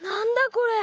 これ。